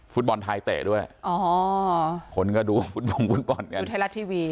ฟุตบอลไทยเตะด้วยอ๋อคนก็ดูฟุตบอลกันดูไทยรัฐทีวี